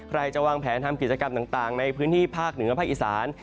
ใครจะวางแผนทำกิจกรรมต่างในพื้นที่ภาคเหนือภาคอีสาน